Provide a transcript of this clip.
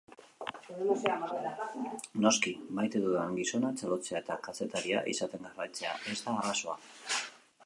Noski, maite dudan gizona txalotzea eta kazetaria izaten jarraitzea ez da arazoa.